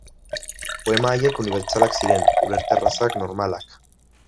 Poema haiek unibertsalak ziren, ulerterrazak, normalak.